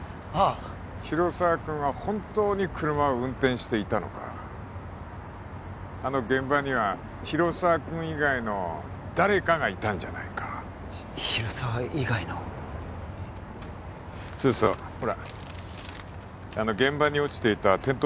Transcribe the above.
広沢君は本当に車を運転していたのかあの現場には広沢君以外の誰かがいたんじゃないか広沢以外のそうそうほらあの現場に落ちていたてんとう